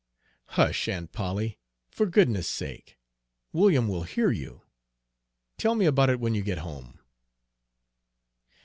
"Hush, Aunt Polly, for goodness' sake! William will hear you. Tell me about it when you get home."